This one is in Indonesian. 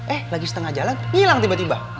eh lagi setengah jalan hilang tiba tiba